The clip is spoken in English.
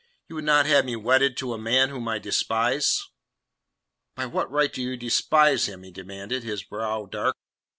You would not have me wedded to a man whom I despise?" "By what right do you despise him?" he demanded, his brow dark.